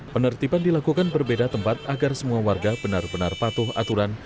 penertiban dilakukan berbeda tempat agar semua warga benar benar patuh aturan